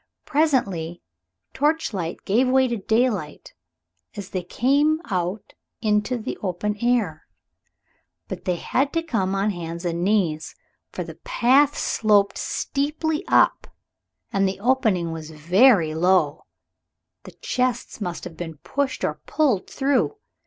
Presently torchlight gave way to daylight as they came out into the open air. But they had to come on hands and knees, for the path sloped steeply up and the opening was very low. The chests must have been pushed or pulled through.